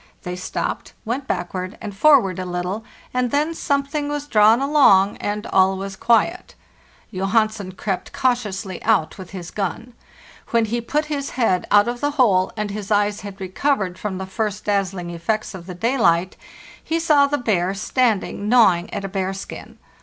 They stopped, went backward and 478 FARTHEST NORTH forward a little, and then something was drawn along, and all was quiet. Johansen crept cautiously out with his gun. When he put his head out of the hole, and his eyes had recovered from the first dazzling effects of the daylight, he saw the bear standing gnawing at a bear skin.